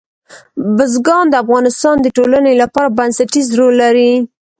بزګان د افغانستان د ټولنې لپاره بنسټيز رول لري.